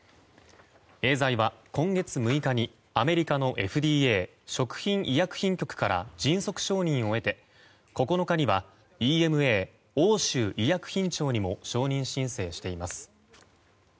エーザイは今月６日にアメリカのＦＤＡ・食品医薬品局から迅速承認を得て９日にはＥＭＡ・欧州医薬品庁にも承認申請しています。